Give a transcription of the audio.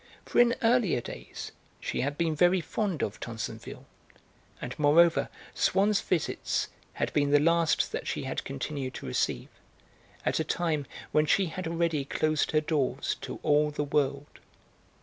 For in earlier days she had been very fond of Tansonville, and, moreover, Swann's visits had been the last that she had continued to receive, at a time when she had already closed her doors to all the world.